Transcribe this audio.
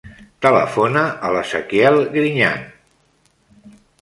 Telefona a l'Ezequiel Griñan.